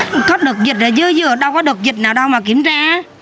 có được dịch rồi chứ chứ ở đâu có được dịch nào đâu mà kiểm tra